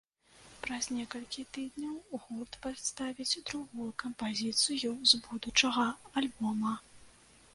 Праз некалькі тыдняў гурт прадставіць другую кампазіцыю з будучага альбома.